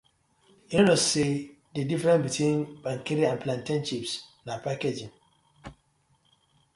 Yu no kno say di difference between Kpekere and plantain chips na packaging.